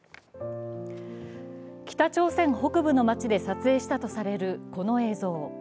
北朝鮮北部の町で撮影したとされるこの映像。